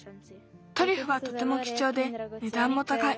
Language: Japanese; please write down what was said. トリュフはとてもきちょうでねだんもたかい。